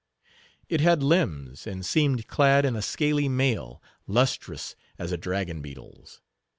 It had limbs, and seemed clad in a scaly mail, lustrous as a dragon beetle's.